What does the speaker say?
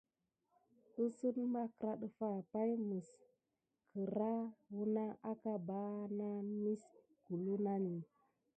Əsseŋ makra ɗəfa pay nis kiraya wuna aka banamite kulu nani.